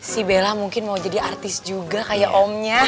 si bella mungkin mau jadi artis juga kayak omnya